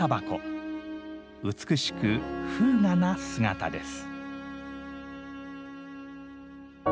美しく風雅な姿です。